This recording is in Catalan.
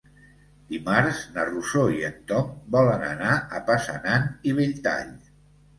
Dimarts na Rosó i en Tom volen anar a Passanant i Belltall.